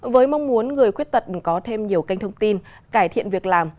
với mong muốn người khuyết tật có thêm nhiều kênh thông tin cải thiện việc làm